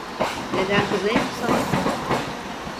Neden kızayım ki sana?